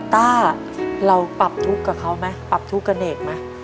ต้าเราปรับทุกข์กับเขาไหมปรับทุกข์กับเนกไหม